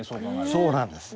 そうなんです。